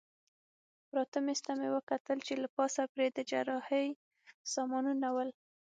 پراته مېز ته مې وکتل چې له پاسه پرې د جراحۍ سامانونه ول.